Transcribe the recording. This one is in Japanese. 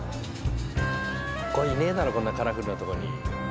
いねえだろこんなカラフルなとこに。